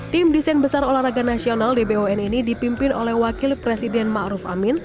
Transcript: tim desain besar olahraga nasional dbon ini dipimpin oleh wakil presiden ma'ruf amin